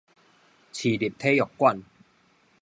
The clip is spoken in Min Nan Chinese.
市立體育場